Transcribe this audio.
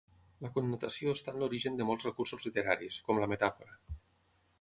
La connotació està en l'origen de molts recursos literaris, com la metàfora.